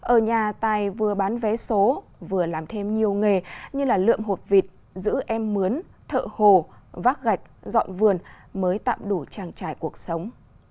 ở nhà tài vừa bán vé số vừa làm thêm nhiều nghề như lượm hột vịt giữ em mướn thợ hồ vác gạch dọn vườn mới tạm đủ trang trải cuộc sống